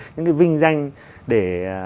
những cái vinh danh để